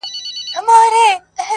يوه زاړه، يوه تک تور، يوه غریب ربابي٫